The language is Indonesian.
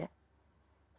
salah satu yang